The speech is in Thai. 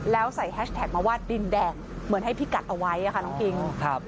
แล้วใส่แฮชแท็กมาว่าดินแดงเหมือนให้พี่กัดเอาไว้ค่ะน้องคิง